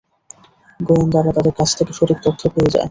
গোয়েন্দারা তাদের কাছ থেকে সঠিক তথ্য পেয়ে যায়।